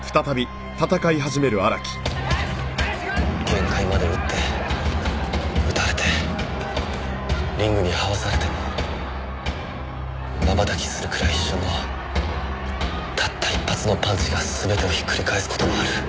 限界まで打って打たれてリングに這わされても瞬きするくらい一瞬のたった一発のパンチが全てをひっくり返す事もある。